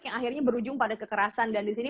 yang akhirnya berujung pada kekerasan dan disini